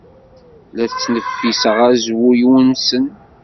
La ttneffiseɣ azwu yumsen.